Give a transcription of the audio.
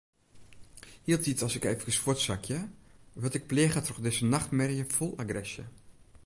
Hieltyd as ik eefkes fuortsakje, wurd ik pleage troch dizze nachtmerje fol agresje.